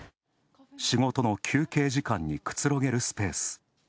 仕事の休憩時間にくつろげるスペース。